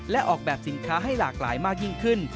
และออกแบบสินค้าให้หลากหลายมากยิ่งขึ้น